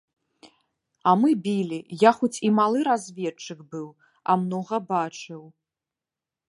А мы білі, я хоць і малы разведчык быў, а многа бачыў.